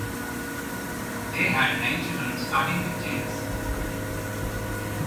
They had nine children starting with James.